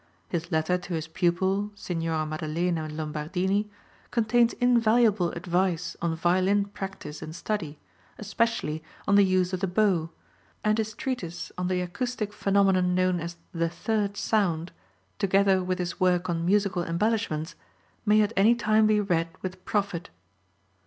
His letter to his pupil, Signora Maddelena Lombardini, contains invaluable advice on violin practice and study, especially on the use of the bow, and his treatise on the acoustic phenomenon known as "the third sound," together with his work on musical embellishments, may at any time be read with profit.